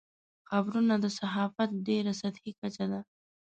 خبرونه د صحافت ډېره سطحي کچه ده.